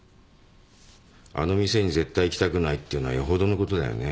あの店に絶対行きたくないっていうのはよほどのことだよね。